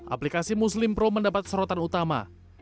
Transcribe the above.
aplikasi muslim pro mendapat sorotan utama